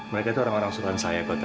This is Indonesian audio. mereka itu orang orang suruhan saya kota